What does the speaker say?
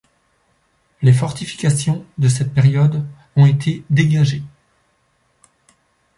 Les fortifications de cette période ont été dégagées.